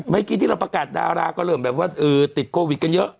เมื่อกี้ที่เราประกาศดาราก็เริ่มแบบว่าติดโควิดกันเยอะ